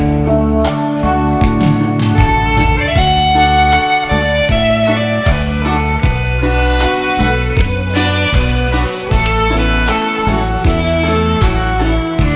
นี่อันนี้